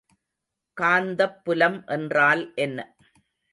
காந்தப் புலம் என்றால் என்ன?